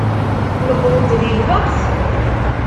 Newweḍ-d di lweqt?